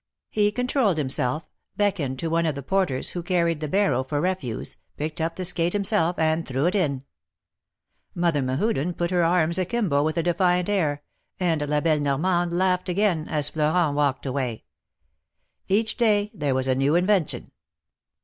He controlled himself, beckoned to one of the porters, who carried the barrow for refuse, picked up the skate himself, and threw it in. Mother Mehuden put her arms akimbo with a defiant air, and La belle Normande laughed again, as Florent walked away. Each day there was a new invention.